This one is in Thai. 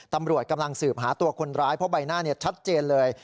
ตำรวจกำลังสืบหาตัวคนร้ายเพราะใบหน้าชัดเจนเลย